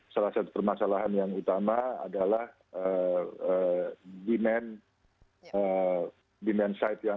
salah satu permasalahan yang utama adalah demand side